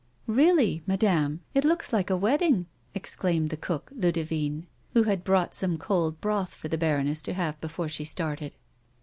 " Really, madame, it looks like a wedding !" exclaimed A WOMAN'S LIFE. 41 the cook, Ludivine, who had brought some cold broth for the baroness to have before she started.